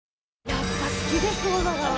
やっぱ好きです、女川。